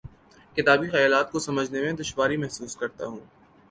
کتابی خیالات کو سمجھنے میں دشواری محسوس کرتا ہوں